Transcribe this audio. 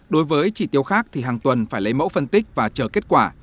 đối với chỉ tiêu khác thì hàng tuần phải lấy mẫu phân tích và chờ kết quả